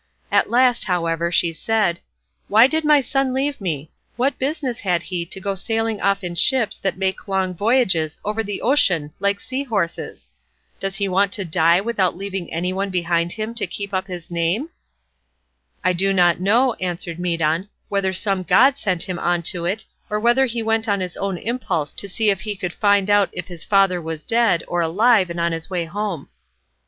At last, however, she said, "Why did my son leave me? What business had he to go sailing off in ships that make long voyages over the ocean like sea horses? Does he want to die without leaving any one behind him to keep up his name?" "I do not know," answered Medon, "whether some god set him on to it, or whether he went on his own impulse to see if he could find out if his father was dead, or alive and on his way home."